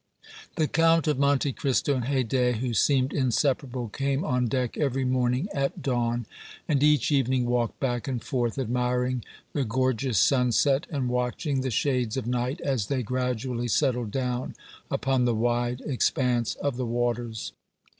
The Count of Monte Cristo and Haydée, who seemed inseparable, came on deck every morning at dawn, and each evening walked back and forth, admiring the gorgeous sunset and watching the shades of night as they gradually settled down upon the wide expanse of the waters.